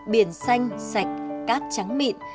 biển xanh sạch cát trắng mịn